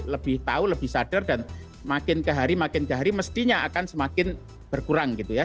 lebih tahu lebih sadar dan makin ke hari makin ke hari mestinya akan semakin berkurang gitu ya